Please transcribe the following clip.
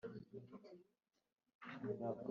inyenyeri nziza yo mu gitondo